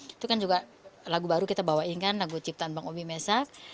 itu kan juga lagu baru kita bawain kan lagu ciptaan bang obi mesak